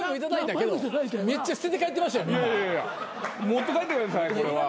持って帰ってくださいこれは。